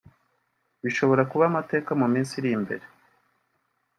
bishobora kuba amateka mu minsi iri imbere